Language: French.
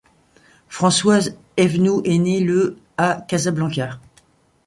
Françoise Evenou est née le à Casablanca.